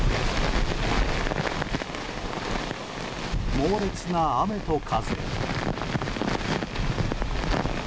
猛烈な雨と風。